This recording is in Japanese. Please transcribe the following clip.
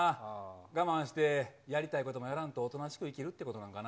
我慢して、やりたいこともやらんと、おとなしく生きるってことなんかな？